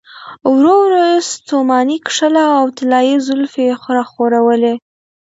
ورو ورو يې ستوماني کښله او طلايې زلفې يې راخورولې.